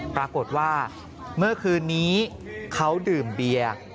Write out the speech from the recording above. ปรากฏว่าเมื่อคืนนี้เขาดื่มเบียร์